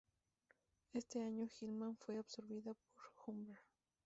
Ese año Hillman fue absorbida por Humber.